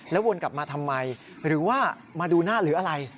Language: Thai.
วนกลับมาทำไมหรือว่ามาดูหน้าหรืออะไร